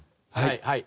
はい。